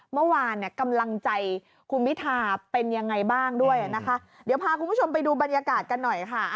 เมื่อวานเนี่ยกำลังใจคุณพิธาเป็นยังไงบ้างด้วยนะคะเดี๋ยวพาคุณผู้ชมไปดูบรรยากาศกันหน่อยค่ะ